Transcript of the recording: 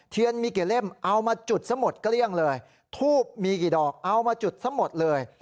เทียนมีกี่เล่มเอามาจุดซะหมดเกลี้ยงเลยทูบมีกี่ดอกเอามาจุดซะหมดเลย